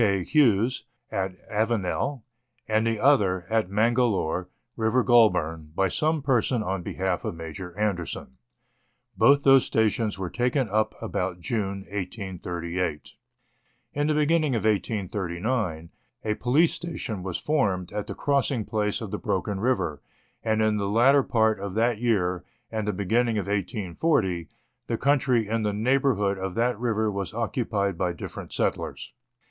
K. Hughes, at Avenel, and the other, at Mangalore, River Goulburn, by some person on behalf of Major Anderson. Both those stations were taken up about June 1838. In the beginning of 1839, a police station was formed at the crossing place of the Broken River, and in the latter part of that year, and the beginning of 1840, the country in the neighbour hood of that river was occupied by different settlers.